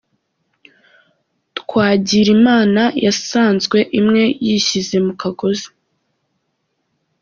Twagirimana yasanzwe iwe yishyize mu kagozi